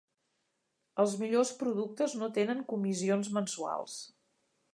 Els millors productes no tenen comissions mensuals.